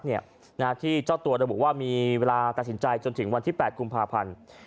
ที่เจ้าตัวระบุว่ามีเวลาตัดสินใจจนถึงวันที่๘กุมภาพันธ์